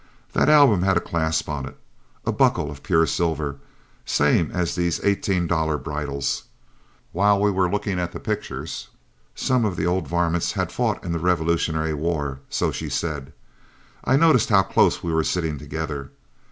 That album had a clasp on it, a buckle of pure silver, same as these eighteen dollar bridles. While we were looking at the pictures some of the old varmints had fought in the Revolutionary war, so she said I noticed how close we were sitting together.